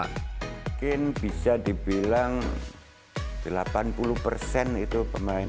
mungkin bisa dibilang delapan puluh persen itu pemain